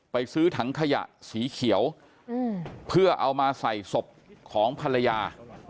ซื้อถังขยะสีเขียวเพื่อเอามาใส่ศพของภรรยา